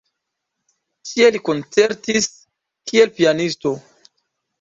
Ĉie li koncertis kiel pianisto.